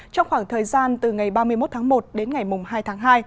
trong khoảng thời gian từ ngày ba mươi một tháng một đến ngày hai tháng hai